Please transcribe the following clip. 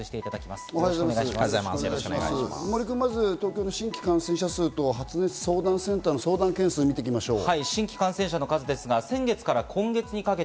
まず東京の新規感染者と発熱相談センターの相談件数を見ていきましょう。